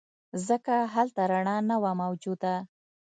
ځکه هلته رڼا نه وه موجوده.